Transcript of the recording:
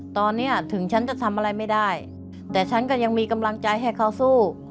ตอนนี้ถึงฉันจะทำอะไรไม่ได้แต่ฉันก็ยังมีกำลังใจให้เขาสู้